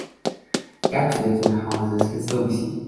Gaps left in the houses can still be seen.